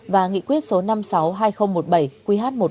và nghị quyết số năm trăm sáu mươi hai nghìn một mươi bảy qh một mươi bốn